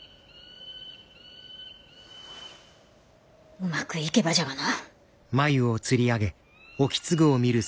うまくいけばじゃがな！